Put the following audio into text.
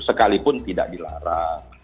sekalipun tidak dilarang